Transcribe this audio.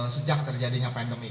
sejak terjadinya pandemi